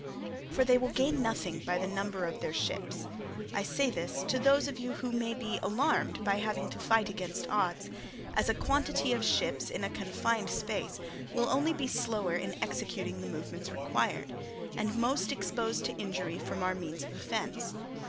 For they will gain nothing by the number of their ships—I say this to those of you who may be alarmed by having to fight against odds—as a quantity of ships in a confined space will only be slower in executing the movements required, and most exposed to injury from our means of offence.